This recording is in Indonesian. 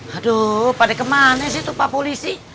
aduh pada kemana sih tuh pak polisi